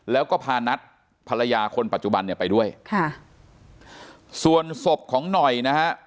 แล้วก็พานัทภรรยาคนปัจจุบันเนี่ยไปด้วยค่ะส่วนศพของหน่อยนะฮะ